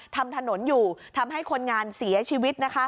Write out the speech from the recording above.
ทำถนนอยู่ทำให้คนงานเสียชีวิต